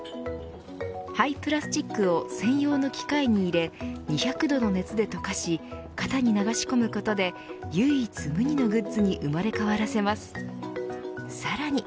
廃プラスチックを専用の機械に入れ２００度の熱で溶かし型に流し込むことで唯一無二のグッズに生まれ変わらせます。